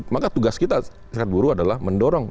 maka tugas kita serikat buruh adalah mendorong